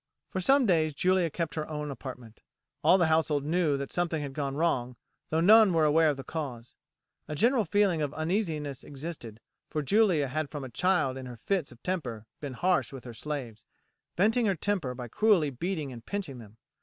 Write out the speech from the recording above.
For some days Julia kept her own apartment. All the household knew that something had gone wrong, though none were aware of the cause. A general feeling of uneasiness existed, for Julia had from a child in her fits of temper been harsh with her slaves, venting her temper by cruelly beating and pinching them.